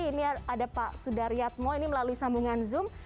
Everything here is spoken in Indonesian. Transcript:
ini ada pak sudaryatmo ini melalui sambungan zoom